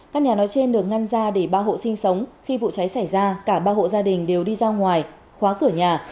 căn nhà nói trên được ngăn ra để ba hộ sinh sống khi vụ cháy xảy ra cả ba hộ gia đình đều đi ra ngoài khóa cửa nhà